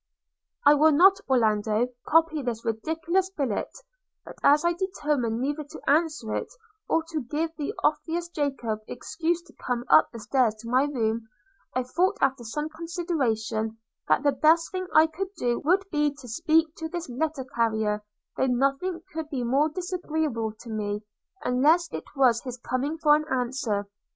'I will not, Orlando, copy this ridiculous billet; but as I determined neither to answer it, nor to give the officious Jacob excuse to come up the stairs to my room, I thought, after some consideration, that the best thing I could do would be to speak to this letter carrier, though nothing could be more disagreeable to me, unless it was his coming for an answer.